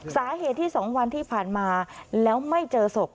สาเหตุที่๒วันที่ผ่านมาแล้วไม่เจอศพ